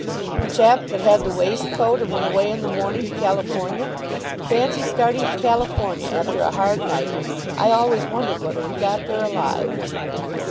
"The chap that had the waistcoat, and went away in the morning to California. Fancy starting to California after a hard night. I always wondered whether he got there alive."